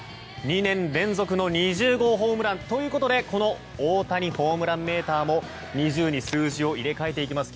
２年連続の２０号ホームラン。ということで大谷ホームランメーターも２０に数字を入れ替えていきます。